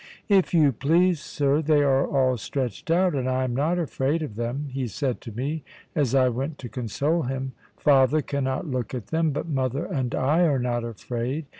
"If you please, sir, they are all stretched out, and I am not afraid of them;" he said to me, as I went to console him: "father cannot look at them; but mother and I are not afraid.